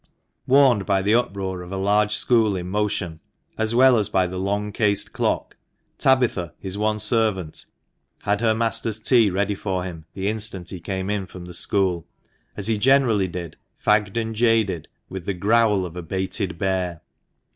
Warned by the uproar of a large school in motion, as well as by the long cased clock, Tabitha, his one servant, had her THE MANCHESTER MAN. 65 master's tea ready for him the instant he came in from the school,^'as he generally did, fagged and jaded, with the growl of a baited bear.